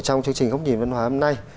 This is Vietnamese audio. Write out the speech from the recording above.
trong chương trình góc nhìn văn hóa hôm nay